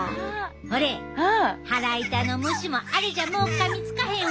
ほれ腹痛の虫もあれじゃもうかみつかへんわ！